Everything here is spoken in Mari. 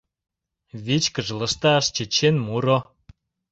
Вичкыж лышташ, чечен муро